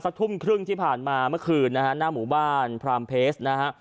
ทุ่มครึ่งที่ผ่านมาเมื่อคืนนะฮะหน้าหมู่บ้านพรามเพชรนะฮะ